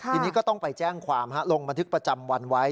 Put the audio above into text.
ทีนี้ก็ต้องไปแจ้งความลงบันทึกประจำวันไว้